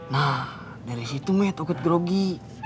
nah dari situ med ikut grogi